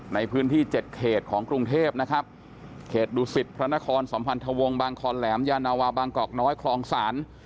ในพื้นที่๗เขตของกรุงเทพนะครับเขตดุสิตพระนครสัมพันธวงศ์บางคอนแหลมยานาวาบางกอกน้อยคลองศาล